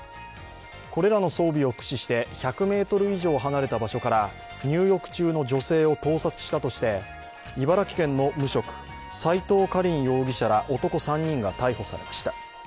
これらの装備を駆使して１００ｍ以上離れた場所から入浴中の女性を盗撮したとして、茨城県の無職、齋藤果林容疑者ら男３人が逮捕されました。